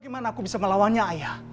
gimana aku bisa melawannya ayah